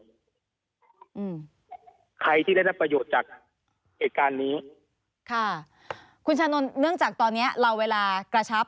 อืมใครที่ได้รับประโยชน์จากเหตุการณ์นี้ค่ะคุณชานนท์เนื่องจากตอนเนี้ยเราเวลากระชับ